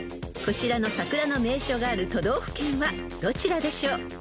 ［こちらの桜の名所がある都道府県はどちらでしょう？］